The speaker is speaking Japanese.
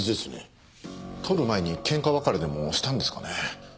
撮る前に喧嘩別れでもしたんですかね？